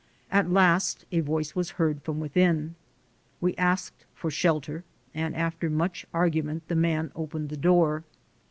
At last a voice was heard from within. We asked for shelter, and after much argument, the man opened the door.